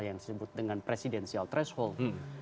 yang disebut dengan presidensial threshold